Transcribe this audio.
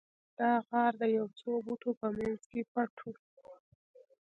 دا غار د یو څو بوټو په مینځ کې پټ و